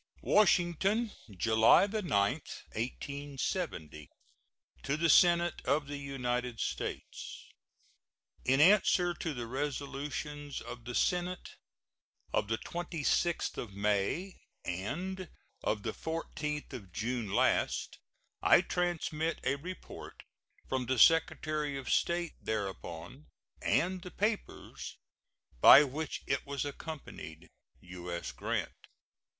WASHINGTON, July 9, 1870. To the Senate of the United States: In answer to the resolutions of the Senate of the 26th of May and of the 14th of June last, I transmit a report from the Secretary of State thereupon, and the papers by which it was accompanied. U.S. GRANT.